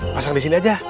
pasang di sini aja